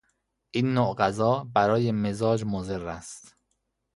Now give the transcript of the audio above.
این نوع غذا برای مزاج مضر است.